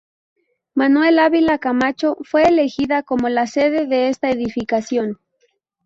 Manuel Ávila Camacho, fue elegida como la sede de esta edificación.